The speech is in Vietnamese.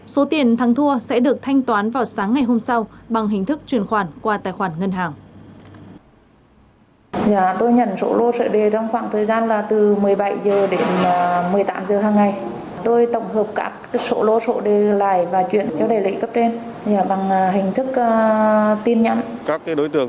số tiền thắng thua sẽ được thanh toán vào sáng ngày hôm sau bằng hình thức truyền khoản qua tài khoản ngân hàng